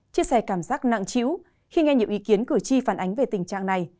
chia sẻ cảm giác nặng chịu khi nghe những ý kiến cử tri phản ánh về tình trạng này